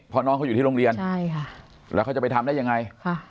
เพราะน้องเขาอยู่ที่โรงเรียนใช่ค่ะแล้วเขาจะไปทำได้ยังไง